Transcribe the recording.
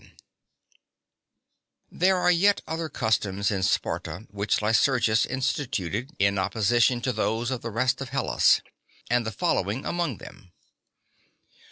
VII There are yet other customs in Sparta which Lycurgus instituted in opposition to those of the rest of Hellas, and the following among them.